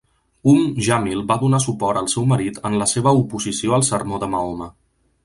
Umm Jamil va donar suport al seu marit en la seva oposició al sermó de Mahoma.